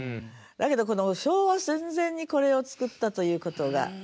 だけど昭和戦前にこれを作ったということが。